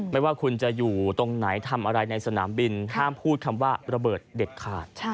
ไม่ว่าคุณจะอยู่ตรงไหนทำอะไรในสนามบินห้ามพูดคำว่าระเบิดเด็ดขาด